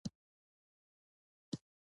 تهماسب د قزلباشانو یو لښکر ورولېږه.